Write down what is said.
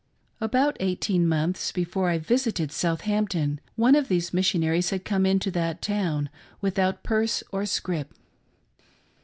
About eighteen months before I visited Southampton, one of these missionaries had come into that town, "without purse or scrip."